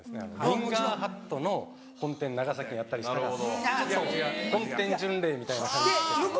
リンガーハットの本店長崎にあったりしたら本店巡礼みたいな感じですよね。